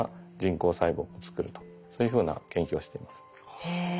へえ。